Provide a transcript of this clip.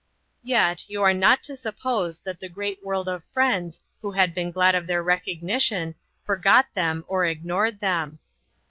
Yet you are not to suppose that the great world of friends who had been glad of their recognition forgot them or ignored them.